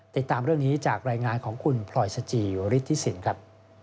ติดตามเรื่องนี้จากรายงานของคุณพลอยสจิฤทธิสินครับ